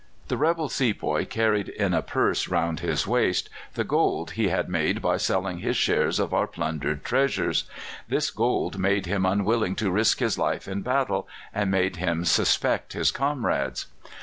The rebel sepoy carried in a purse round his waist the gold he had made by selling his share of our plundered treasures; this gold made him unwilling to risk his life in battle and made him suspect his comrades.